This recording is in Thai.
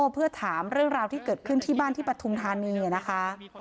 เพื่อถามเรื่องราวที่เกิดขึ้นที่บ้านที่ปฐุมธานีนะคะ